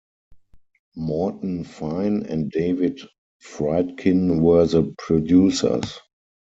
Morton Fine and David Friedkin were the producers.